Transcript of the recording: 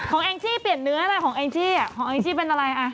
ของแองชีเปลี่ยนเนื้อเลยของแองชีเป็นอะไร